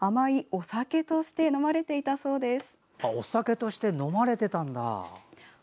お酒として飲まれてたんだ。